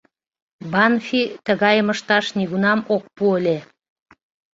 Банфи тыгайым ышташ нигунам ок пу ыле.